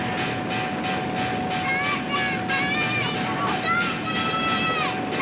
お父ちゃん！